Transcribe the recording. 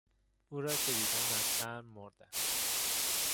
او را که دیدم از شرم مردم!